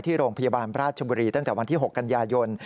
โรงพยาบาลราชบุรีตั้งแต่วันที่๖กันยายน